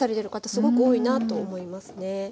すごく多いなと思いますね。